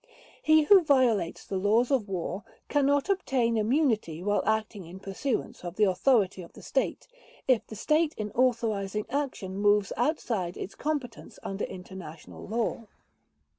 He who violates the laws of war cannot obtain immunity while acting in pursuance of the authority of the state if the state in authorizing action moves outside its competence under international law.